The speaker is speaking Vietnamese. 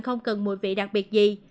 không cần mùi vị đặc biệt gì